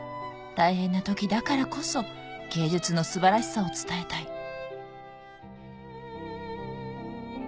「大変な時だからこそ芸術の素晴らしさを伝えたい」